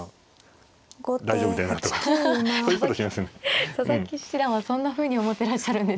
佐々木七段はそんなふうに思ってらっしゃるんですね。